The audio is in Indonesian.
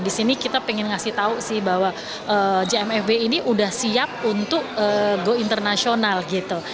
di sini kita pengen ngasih tahu sih bahwa jem fb ini udah siap untuk go international gitu